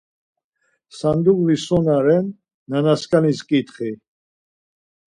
Sanduği so na ren nanaskanis ǩitxi.